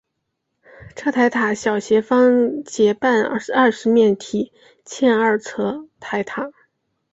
侧台塔小斜方截半二十面体欠二侧台塔。